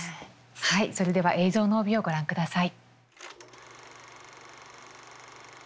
はいそれでは映像の帯をご覧ください。